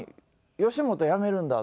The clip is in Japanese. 吉本辞めるんだって。